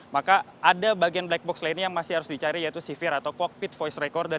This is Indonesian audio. maka ada bagian black box lainnya yang masih harus dicari yaitu sivir atau cockpit voice recorder